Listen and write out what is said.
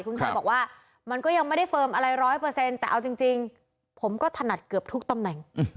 คุณชัยบอกว่ามันก็ยังไม่ได้เฟิร์มอะไร๑๐๐แต่เอาจริงผมก็ถนัดเกือบทุกตำแหน่ง